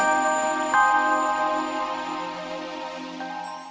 rasanya itu asal